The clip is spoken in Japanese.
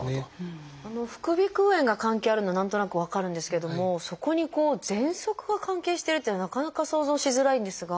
副鼻腔炎が関係あるのは何となく分かるんですけどもそこにこうぜんそくが関係してるっていうのはなかなか想像しづらいんですが。